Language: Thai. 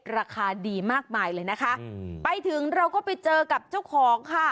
ราคาดีมากมายเลยนะคะไปถึงเราก็ไปเจอกับเจ้าของค่ะ